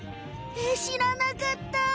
えっ知らなかった！